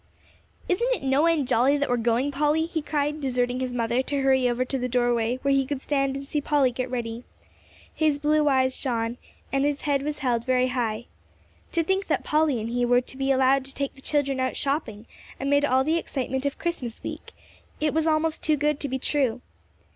"Isn't it no end jolly that we're going, Polly?" he cried, deserting his mother to hurry over to the doorway where he could stand and see Polly get ready. His blue eyes shone and his head was held very high. To think that Polly and he were to be allowed to take the children out shopping amid all the excitement of Christmas week! It was almost too good to be true!